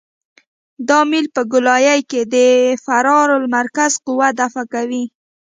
دا میل په ګولایي کې د فرار المرکز قوه دفع کوي